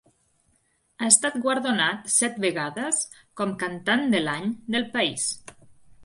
Ha estat guardonat set vegades com "Cantant de l'Any" del país.